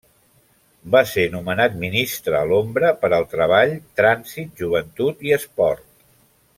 Va ser nomenat ministre a l'ombra per al Treball, Trànsit, Joventut i Esport.